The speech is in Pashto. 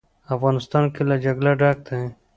افغانستان له جلګه ډک دی.